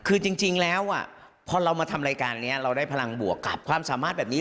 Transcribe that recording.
คือจริงแล้วพอเรามาทำรายการนี้เราได้พลังบวกกับความสามารถแบบนี้